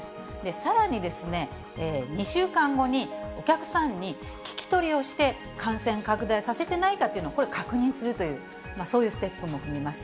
さらに、２週間後にお客さんに聞き取りをして、感染拡大させてないかというのを、これ、確認するという、そういうステップも踏みます。